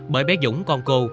bởi bé dũng con cô